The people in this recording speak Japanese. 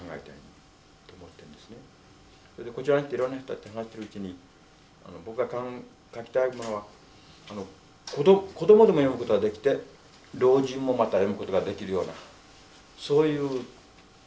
こちらに来ていろんな人たちと話しているうちに僕が書きたいものは子供でも読むことができて老人もまた読むことができるようなそういうもの。